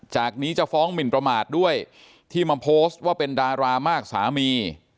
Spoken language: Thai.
จากนี้จะฟ้องหมินประมาทด้วยที่มาโพสต์ว่าเป็นดารามากสามี